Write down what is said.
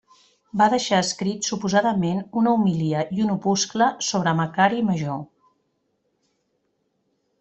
Va deixar escrit suposadament una homilia i un opuscle sobre Macari Major.